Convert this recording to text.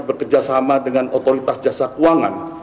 bekerjasama dengan otoritas jasa keuangan